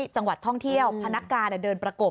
จังหวัดท่องเที่ยวพนักการเดินประกบ